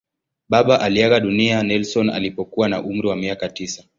Baba aliaga dunia Nelson alipokuwa na umri wa miaka tisa.